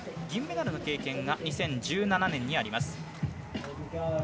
銀メダルの経験が２０１７年にあります。